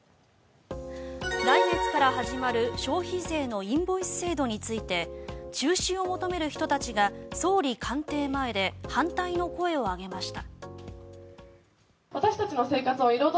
来月から始まる消費税のインボイス制度について中止を求める人たちが総理官邸前で反対の声を上げました。